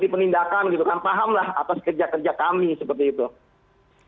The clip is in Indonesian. pahamlah atas kerja kerja kami seperti itu